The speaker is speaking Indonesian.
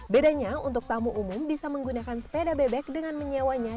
bedanya untuk tamu umum bisa menggunakan sepeda bebek dengan menyewanya